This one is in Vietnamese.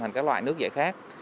thành các loại nước dạy khác